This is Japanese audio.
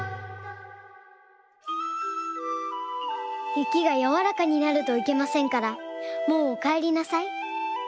雪がやわらかになるといけませんからもうおかえりなさい。